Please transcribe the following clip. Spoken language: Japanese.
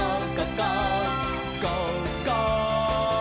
「ゴーゴー！」